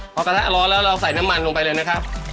พอกระทะร้อนแล้วเราใส่น้ำมันลงไปเลยนะครับ